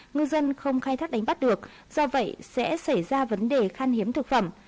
ngư dân không khai thác đánh bắt được do vậy sẽ xảy ra vấn đề khan hiếm thực phẩm